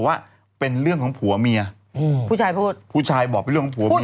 ว่าเป็นเรื่องของผัวเมียอืมผู้ชายพูดผู้ชายบอกเป็นเรื่องของผัวเมีย